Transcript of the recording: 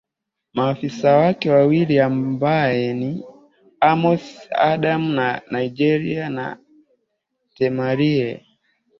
maafisa wake wawili ambaye ni amos adam wa nigeria na temarie